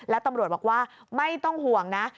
แล้วตำรวจบอกว่าไม่ต้องห่วงนะ